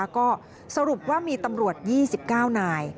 ก็สรุปว่ามีตำรวจ๒๙นาย